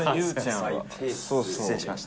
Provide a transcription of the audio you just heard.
失礼しました。